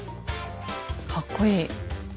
かっこいい。